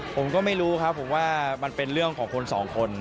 ผมก็ไม่รู้ครับผมว่ามันเป็นเรื่องของคนสองคน